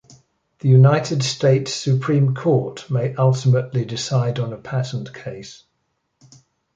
The United States Supreme Court may ultimately decide on a patent case.